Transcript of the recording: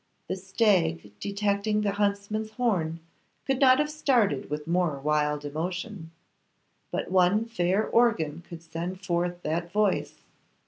The stag detecting the huntsman's horn could not have started with more wild emotion. But one fair organ could send forth that voice.